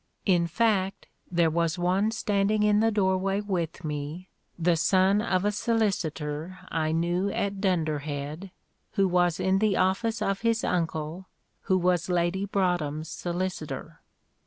In fact there was one standing in the doorway with me, the son of a solicitor I knew at Dunderhead, who was in the office of his uncle, who was Lady Broadhem's solicitor.